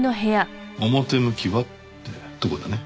表向きはってとこだね。